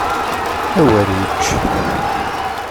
Awer yečč!